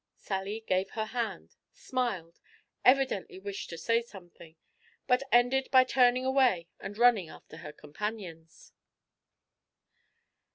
Sally gave her hand, smiled, evidently wished to say something, but ended by turning away and running after her companions.